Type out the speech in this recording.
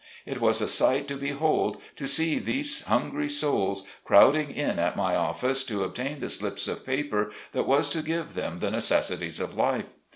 It was a sight to behold to see these hungry souls crowding in at my office to obtain the slips of paper that was to give them the necessities of life.